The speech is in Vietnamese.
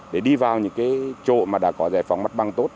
để đi vào những cái chỗ mà đã có giải phóng mắt băng tốt